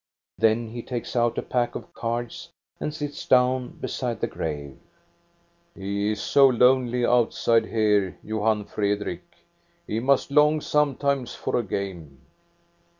Then he takes out a pack of cards and sits down beside the grave. " He is so lonely outside here, Johan Fredrik. He must long sometimes for a game."